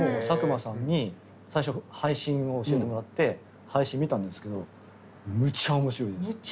佐久間さんに最初配信を教えてもらって配信見たんですけどむっちゃ面白いです。